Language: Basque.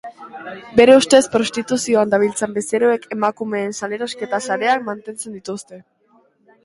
Bere ustez prostituzioan dabiltzan bezeroek emakumeen salerosketa sareak mantentzen dituzte.